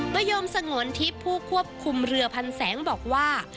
โยมสงวนทิพย์ผู้ควบคุมเรือพันแสงบอกว่า